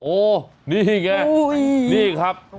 โอ้นี่ไงนี่ครับ